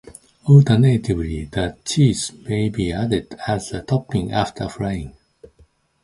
Alternatively the cheese may be added as a topping after frying.